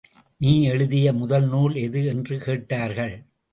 நீ எழுதிய முதல் நூல் எது? —என்று கேட்டார்கள்.